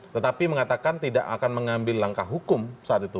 tetapi mengatakan tidak akan mengambil langkah hukum saat itu